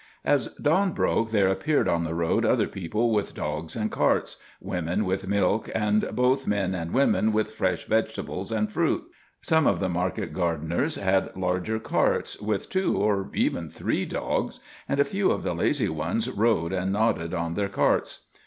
As dawn broke there appeared on the road other people with dogs and carts women with milk and both men and women with fresh vegetables and fruit. Some of the market gardeners had larger carts with two or even three dogs, and a few of the lazy ones rode and nodded on their carts.